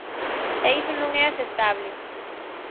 E iso non é aceptable.